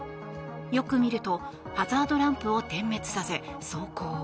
よく見るとハザードランプを点滅させ、走行。